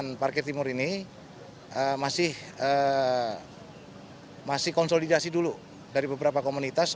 yang berjaga di timur ini masih konsolidasi dulu dari beberapa komunitas